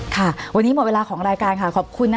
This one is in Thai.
ค่ะวันนี้หมดเวลาของรายการค่ะขอบคุณนะคะ